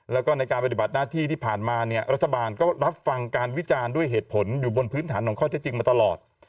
แล้วก็ในการปฏิบัติหน้าที่ที่ผ่านมาเนี่ยรัฐบาลก็รับฟังการวิจารณ์ด้วยเหตุผลอยู่บนพื้นฐานของข้อเท็จจริงมาตลอด